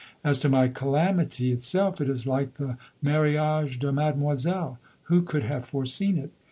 As to my calamity itself, it is like the Mariage de Mademoiselle: who could have foreseen it?